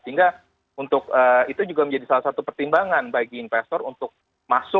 sehingga untuk itu juga menjadi salah satu pertimbangan bagi investasi